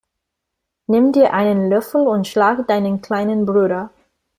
Nimm dir einen Löffel und schlag deinen kleinen Bruder!